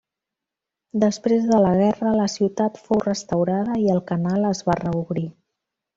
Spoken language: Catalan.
Després de la guerra la ciutat fou restaurada i el canal es va reobrir.